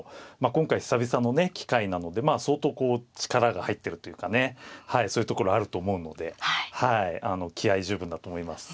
今回久々のね機会なので相当こう力が入ってるというかねそういうところあると思うので気合い十分だと思います。